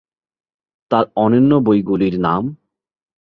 তার অন্যান্য বইগুলির নাম